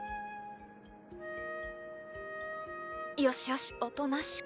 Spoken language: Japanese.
よしよしおとなしく。